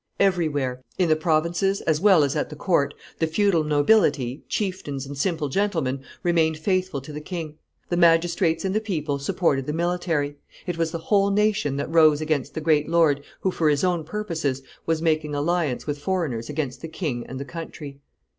Everywhere, in the provinces as well as at the court, the feudal nobility, chieftains and simple gentlemen, remained faithful to the king; the magistrates and the people supported the military; it was the whole nation that rose against the great lord, who, for his own purposes, was making alliance with foreigners against the king and the country.